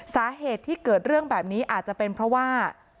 สาเหตุที่เกิดเรื่องแบบนี้อาจจะเป็นเพราะว่า